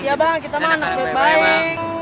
iya bang kita mah anak baik baik